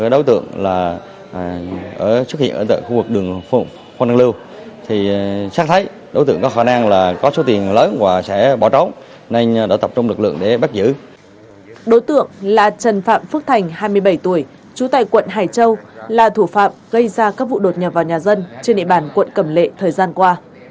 dấu tượng là trần phạm phước thành hai mươi bảy tuổi chú tại quận hải châu là thủ phạm gây ra các vụ đột nhập vào nhà dân trên địa bàn quận cầm lệ thời gian qua